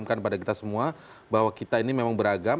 menunjukkan pada kita semua bahwa kita ini memang beragam